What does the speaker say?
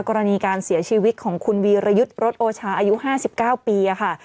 กรณีการเสียชีวิตของคุณวีรยุทธ์รถโอชาอายุ๕๙ปีค่ะ